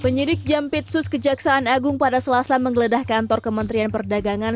penyidik jampitsus kejaksaan agung pada selasa menggeledah kantor kementerian perdagangan